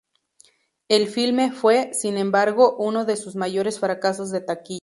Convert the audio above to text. El filme fue, sin embargo, uno de sus mayores fracasos de taquilla.